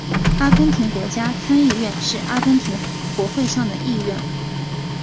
阿根廷国家参议院是阿根廷国会的上议院。